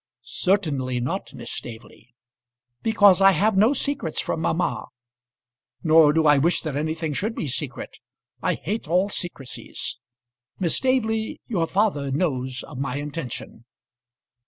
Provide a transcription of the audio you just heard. "Certainly not, Miss Staveley." "Because I have no secrets from mamma." "Nor do I wish that anything should be secret. I hate all secrecies. Miss Staveley, your father knows of my intention."